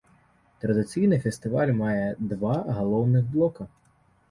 Традыцыйна фестываль мае два галоўных блока.